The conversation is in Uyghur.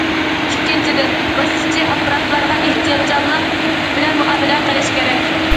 ئىككىنچىدىن، ۋاسىتىچى ئاپپاراتلارغا ئېھتىياتچانلىق بىلەن مۇئامىلە قىلىش كېرەك.